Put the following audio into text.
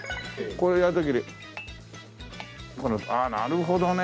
このああなるほどね。